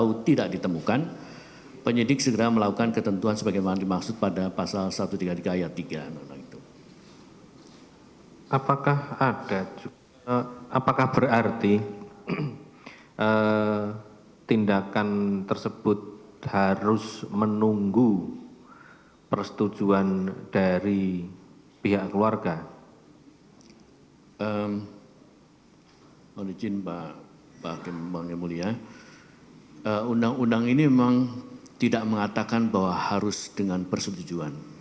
undang undang ini memang tidak mengatakan bahwa harus dengan persetujuan